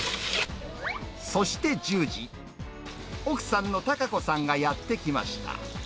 そして１０時、奥さんの孝子さんがやって来ました。